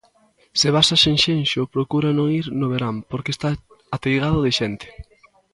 Se vas a Sanxenxo, procura non ir no verán porque está ateigado de xente